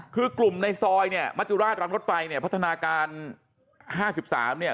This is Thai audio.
คือกลุ่มในซอยเนี่ยมัจจุราชรังรถไฟเนี่ยพัฒนาการ๕๓เนี่ย